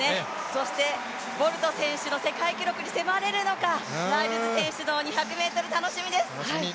そしてボルト選手の世界記録に迫れるのか、ライルズ選手の２００ｍ、楽しみです。